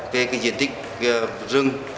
về cái diện tích rừng